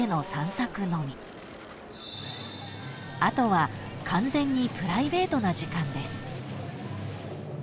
［後は完全にプライベートな時間です］